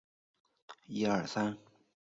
布朗泽人口变化图示